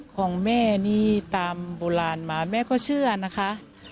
ของแม่นี่ตามโบราณมาแม่ก็เชื่อนะคะ